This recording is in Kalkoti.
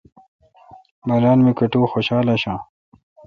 بانال می کٹو خوشال آݭآں۔